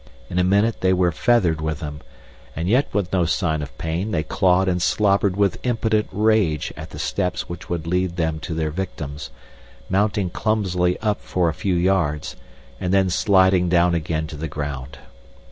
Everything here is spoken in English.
In a minute they were feathered with them, and yet with no sign of pain they clawed and slobbered with impotent rage at the steps which would lead them to their victims, mounting clumsily up for a few yards and then sliding down again to the ground.